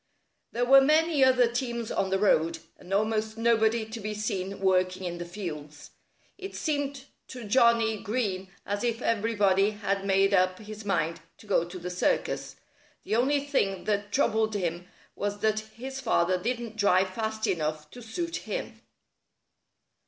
There were many other teams on the road, and almost nobody to be seen working in the fields. It seemed to Johnnie Green as if everybody had made up his mind to go to the circus. The only thing that troubled him was that his father didn't drive fast enough to suit him.